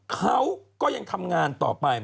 เขาก็ยังทำงานต่อไป